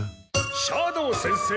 斜堂先生